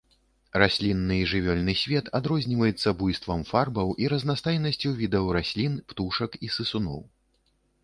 Раслінны і жывёльны свет адрозніваецца буйствам фарбаў і разнастайнасцю відаў раслін, птушак і сысуноў.